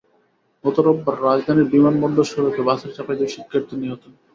গত রোববার রাজধানীর বিমানবন্দর সড়কে বাসের চাপায় দুই শিক্ষার্থী নিহত হন।